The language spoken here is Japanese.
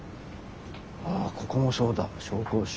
ああここもそうだ紹興酒。